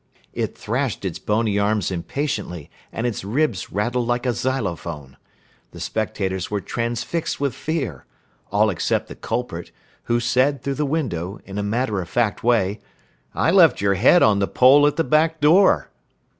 It thrashed its bony arms impatiently and its ribs rattled like a xylophone. The spectators were transfixed with fear, all except the culprit, who said, through the window, in a matter of fact way, "I left your head on the pole at the back door."